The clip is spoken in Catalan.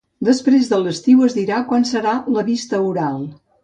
Després de l'estiu es dirà quan serà la vista oral.